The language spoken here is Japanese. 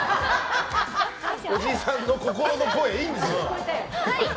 おじさんの心の声はいいんですよ。